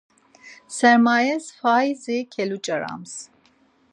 Sermayes faizi keluç̌arams.